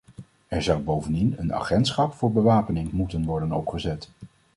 Er zou bovendien een agentschap voor bewapening moeten worden opgezet.